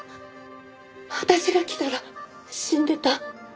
私が来たら死んでた。